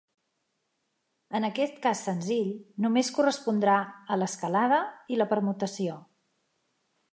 En aquest cas senzill només correspondrà a l'escalada i la permutació.